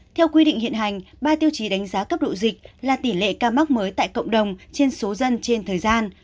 theo quy định hiện hành ba tiêu chí đánh giá cấp độ dịch là tỷ lệ ca mắc mới tại cộng đồng trên số dân trên thời gian